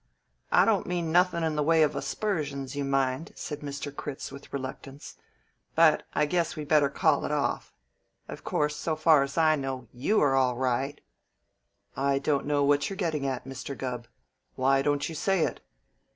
"I don't mean nothing in the way of aspersions, you mind," said Mr. Critz with reluctance, "but I guess we better call it off. Of course, so far as I know, you are all right " "I don't know what you're gettin' at," said Mr. Gubb. "Why don't you say it?"